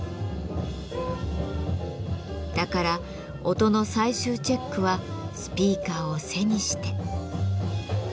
だから音の最終チェックはスピーカーを背にして。